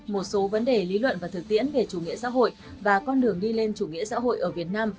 một số vấn đề lý luận và thực tiễn về chủ nghĩa xã hội và con đường đi lên chủ nghĩa xã hội ở việt nam